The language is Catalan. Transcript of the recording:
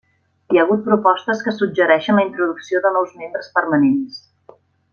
Hi ha hagut propostes que suggereixen la introducció de nous membres permanents.